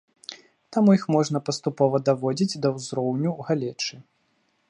Таму іх можна паступова даводзіць да ўзроўню галечы.